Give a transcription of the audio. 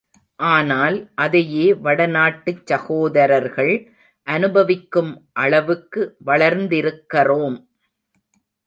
ஆனால், அதையே வடநாட்டுச் சகோதரர்கள் அனுபவிக்கும் அளவுக்கு வளர்த்திருக்கறோம்.